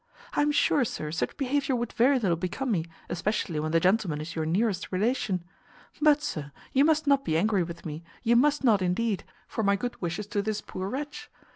I am sure, sir, such behaviour would very little become me, especially when the gentleman is your nearest relation; but, sir, you must not be angry with me, you must not indeed, for my good wishes to this poor wretch.